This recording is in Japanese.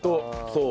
そう。